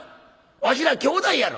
わしら兄弟やろ。